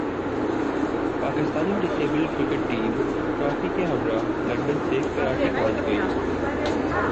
Pakistani disabled cricket team trophy کے ہمراہ London سے کراچی پہنچ گئی